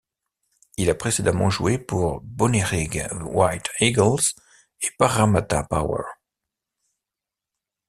Il a précédemment joué pour Bonnyrigg White Eagles et Parramatta Power.